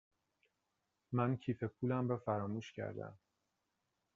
من کیف پولم را فراموش کرده ام.